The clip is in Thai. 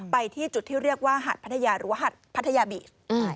ไปที่จุดที่เรียกว่าหาดพัทยาหรือว่าหัดพัทยาบีช